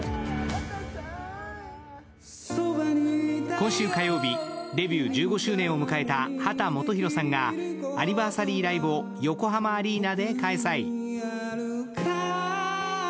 今週火曜日、デビュー１５周年を迎えた秦基博さんがアニバーサリーライブを横浜アリーナで開催。